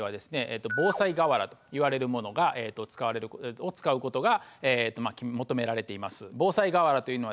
防災瓦といわれるものを使うことが求められています。